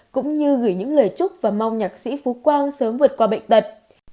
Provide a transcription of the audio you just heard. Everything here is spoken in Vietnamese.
cũng như gửi những lời chúc và mong nhạc sĩ phú quang sớm vượt qua bệnh tật